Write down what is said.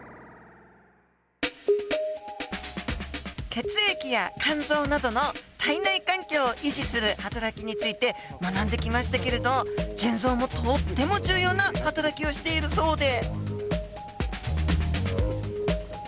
血液や肝臓などの体内環境を維持するはたらきについて学んできましたけれど腎臓もとっても重要なはたらきをしているそうで。